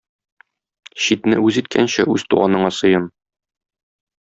Читне үз иткәнче үз туганыңа сыен.